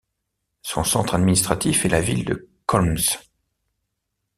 Son centre administratif est la ville de Kholmsk.